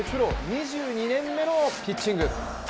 ２２年目のピッチング。